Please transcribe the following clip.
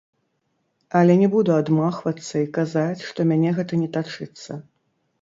Але не буду адмахвацца і казаць, што мяне гэта не тачыцца.